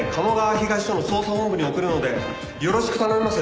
東署の捜査本部に送るのでよろしく頼みます。